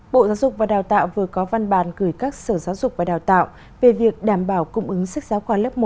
bộ giáo dục và đào tạo vừa có văn bản gửi các sở giáo dục và đào tạo về việc đảm bảo cung ứng sách giáo khoa lớp một